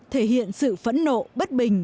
thể hiện sự phẫn nộ bất bình